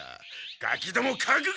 ガキどもかくご！